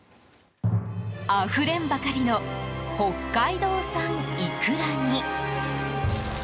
あふれんばかりの北海道産イクラに。